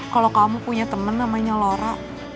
kalau kamu punya teman namanya lora